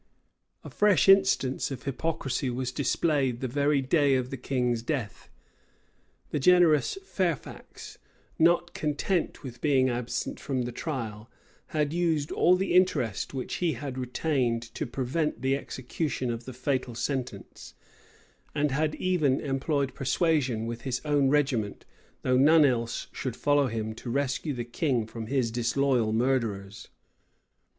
A fresh instance of hypocrisy was displayed the very day of the king's death. The generous Fairfax, not content with being absent from the trial, had used all the interest which he yet retained to prevent the execution of the fatal sentence; and had even employed persuasion with his own regiment, though none else should follow him, to rescue the king from his disloyal murderers.